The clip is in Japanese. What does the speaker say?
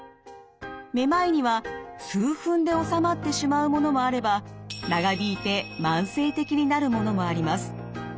めまいには数分で治まってしまうものもあれば長引いて慢性的になるものもあります。